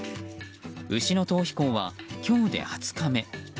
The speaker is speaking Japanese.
牛の逃避行は、今日で２０日目。